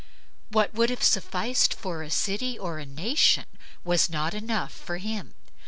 What would have sufficed for a city or a nation, was not enough for him.